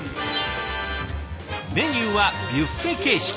メニューはビュッフェ形式。